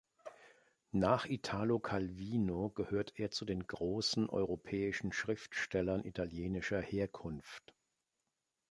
Nach Italo Calvino gehört er zu den großen europäischen Schriftstellern italienischer Herkunft.